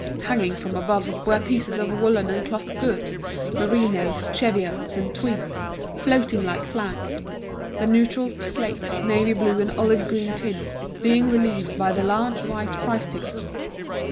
Hanging from above were pieces of woollen and cloth goods, merinoes, cheviots, and tweeds, floating like flags; the neutral, slate, navy blue, and olive green tints being relieved by the large white price tickets.